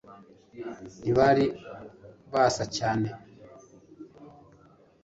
Ntibari basa cyane